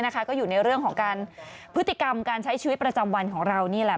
ก็อยู่ในเรื่องของการพฤติกรรมการใช้ชีวิตประจำวันของเรานี่แหละ